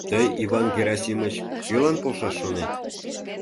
Тый, Иван Герасимыч, кӧлан полшаш шонет?